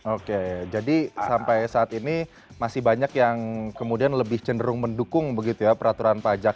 oke jadi sampai saat ini masih banyak yang kemudian lebih cenderung mendukung begitu ya peraturan pajak